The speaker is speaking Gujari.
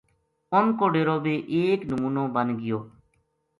اُنھ کو ڈیرو بے ایک نمونو بن گیو